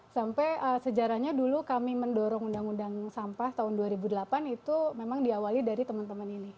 sampai sejarahnya dulu kami mendorong undang undang sampah tahun dua ribu delapan itu memang diawali dari teman teman ini